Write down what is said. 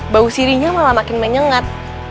bau sirinya malah makin menyengat